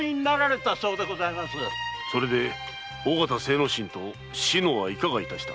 それで尾形精之進と篠はいかが致した？